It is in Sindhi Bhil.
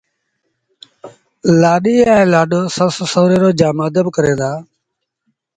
لآڏو ائيٚݩ لآڏيٚ سس ائيٚݩ سُوري رو جآم ادب ڪريݩ دآ